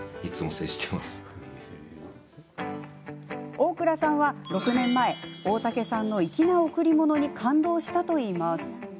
大倉さんは６年前大竹さんの粋な贈り物に感動したといいます。